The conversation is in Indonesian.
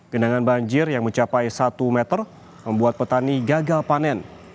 genangan banjir yang mencapai satu meter membuat petani gagal panen